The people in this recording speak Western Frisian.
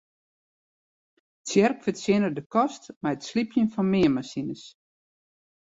Tsjerk fertsjinne de kost mei it slypjen fan meanmasines.